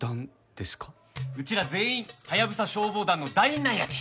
うちら全員ハヤブサ消防団の団員なんやて。